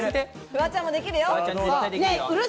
フワちゃんもできるよ。